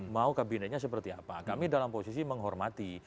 mau kabinetnya seperti apa kami dalam posisi menghormati